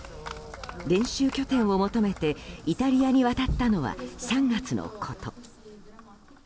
練習拠点を求めてイタリアに渡ったのは３月のこと。